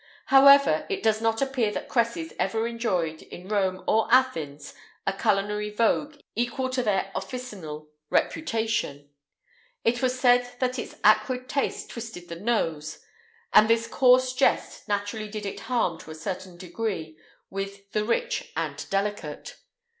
[IX 212] However, it does not appear that cresses ever enjoyed, in Rome or Athens, a culinary vogue equal to their officinal reputation; it was said that its acrid taste twisted the nose,[IX 213] and this coarse jest naturally did it harm to a certain degree with the rich and delicate.